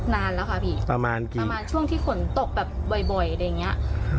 นานแล้วค่ะพี่ประมาณกี่ประมาณช่วงที่ฝนตกแบบบ่อยอย่างเงี้ย